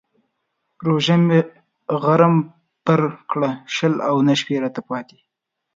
روژه مې غرم پر کړه شل او نهه شپې راته پاتې.